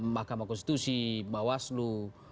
mahkamah konstitusi bawaslu